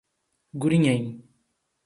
Gurinhém